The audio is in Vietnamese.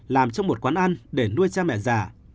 làm cho một quán ăn để nuôi cha mẹ già